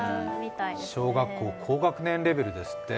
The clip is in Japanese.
小学校高学年レベルですって。